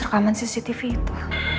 rekaman cctv itu